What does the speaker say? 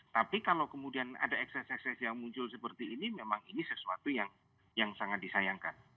tapi kalau kemudian ada ekses ekses yang muncul seperti ini memang ini sesuatu yang sangat disayangkan